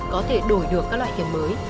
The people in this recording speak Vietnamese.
có thể đổi được các loại tiền mới